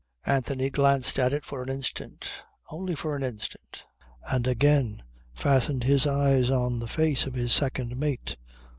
Anthony glanced at it for an instant, only for an instant, and again fastened his eyes on the face of his second mate.